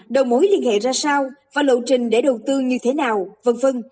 đầu mối liên hệ ra sao và lộ trình để đầu tư như thế nào v v